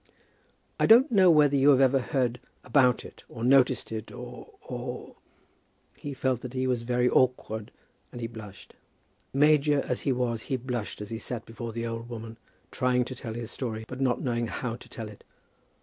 "I don't know whether you have ever heard about it, or noticed it, or or or " He felt that he was very awkward, and he blushed. Major as he was, he blushed as he sat before the old woman, trying to tell his story, but not knowing how to tell it.